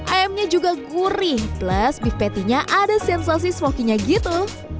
ayamnya juga gurih plus beef pattynya ada sensasi smoky nya gitu